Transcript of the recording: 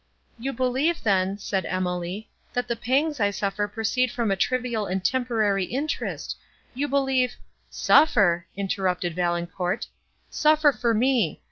"You believe, then," said Emily, "that the pangs I suffer proceed from a trivial and temporary interest; you believe—" "Suffer!" interrupted Valancourt, "suffer for me!